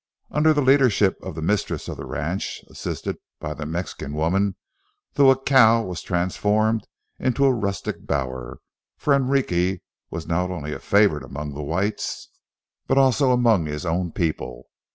Under the leadership of the mistress of the ranch, assisted by the Mexican women, the jacal was transformed into a rustic bower; for Enrique was not only a favorite among the whites, but also among his own people.